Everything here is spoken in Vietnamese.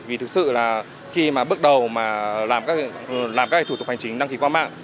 vì thực sự là khi mà bước đầu mà làm các thủ tục hành chính đăng ký qua mạng